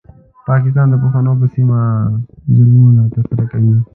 پاکستان د پښتنو پر سیمه ظلمونه ترسره کوي.